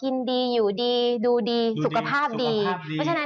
พี่หนิงครับส่วนตอนนี้เนี่ยนักลงทุนอยากจะลงทุนแล้วนะครับเพราะว่าระยะสั้นรู้สึกว่าทางสะดวกนะครับ